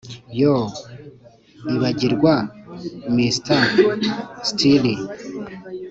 yoo, ibagirwa mr steele.